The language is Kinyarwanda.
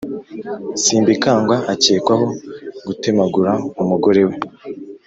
Simbikangwa akekwaho gutemagura umugorewe